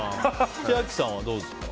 千秋さんは、どうですか？